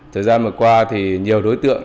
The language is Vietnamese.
thời gian vừa qua thì nhiều đối tượng